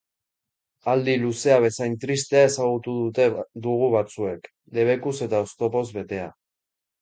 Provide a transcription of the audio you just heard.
Aldi luzea bezain tristea ezagutu dugu batzuek, debekuz eta oztopoz betea.